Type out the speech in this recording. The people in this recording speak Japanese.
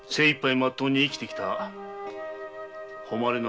まっとうに生きてきた誉れの証だ。